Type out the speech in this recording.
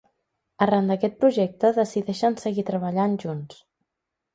Arran d'aquest projecte decideixen seguir treballant junts.